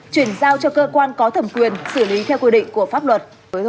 chuyển giao cho cơ quan có thẩm quyền xử lý theo quy định của pháp luật